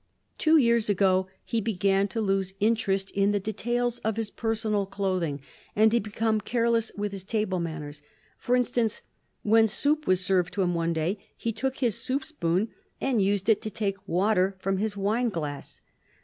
Two years ago he began to lose interest in the details of his personal clothing and to become careless with his table manners. For instance, when soup was served to him one day, he took his soup spoon and used it to take water from his wine glass.